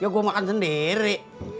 ya gue makan sendiri